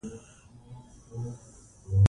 افغانستان کې هوا د هنر په اثار کې منعکس کېږي.